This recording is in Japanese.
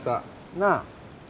なあ？